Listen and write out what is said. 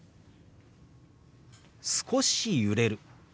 「少し揺れる」。